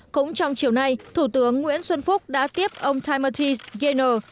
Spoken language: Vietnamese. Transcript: cũng trong chiều nay thủ tướng nguyễn xuân phúc đã tiếp ông timothy gaynor